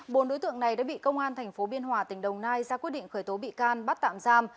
bốn đối tượng này đã bị công an tp biên hòa tỉnh đồng nai ra quyết định khởi tố bị can bắt tạm giam